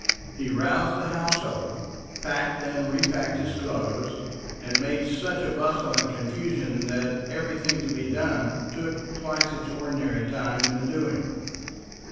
He roused the household, packed and repacked his clothes, and made such a bustle and confusion that everything to be done took twice its ordinary time in the doing.